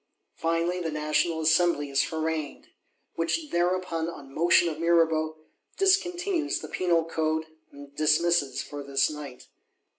Finally, the National Assembly is harangued; which thereupon, on motion of Mirabeau, discontinues the Penal Code, and dismisses for this night.